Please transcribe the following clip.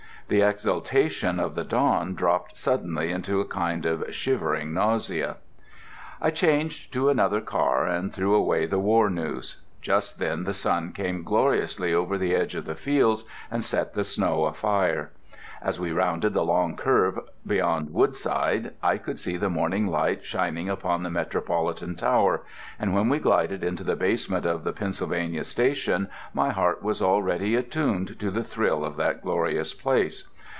The exaltation of the dawn dropped suddenly into a kind of shivering nausea. I changed to another car and threw away the war news. Just then the sun came gloriously over the edge of the fields and set the snow afire. As we rounded the long curve beyond Woodside I could see the morning light shining upon the Metropolitan Tower, and when we glided into the basement of the Pennsylvania Station my heart was already attuned to the thrill of that glorious place.